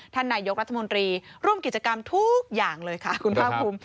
ท่านนายกรัฐมนตรีร่วมกิจกรรมทุกอย่างเลยค่ะคุณภาคภูมิ